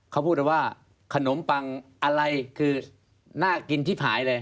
เขาพูดว่าขนมปังอะไรคือน่ากินที่หายเลย